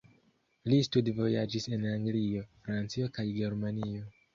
Li studvojaĝis en Anglio, Francio kaj Germanio.